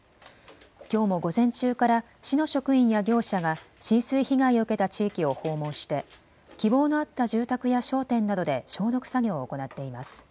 きょうも午前中から市の職員や業者が浸水被害を受けた地域を訪問して希望のあった住宅や商店などで消毒作業を行っています。